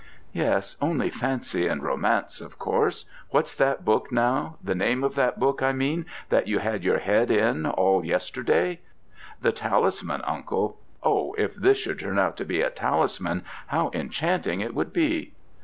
"Yes, only fancy and romance, of course. What's that book, now the name of that book, I mean, that you had your head in all yesterday?" "The Talisman, Uncle. Oh, if this should turn out to be a talisman, how enchanting it would be!"